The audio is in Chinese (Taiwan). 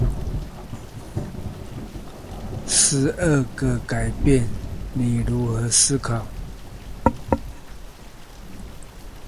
十二個改變你如何思考